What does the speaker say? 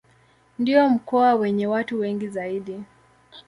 Ndio mkoa wenye watu wengi zaidi.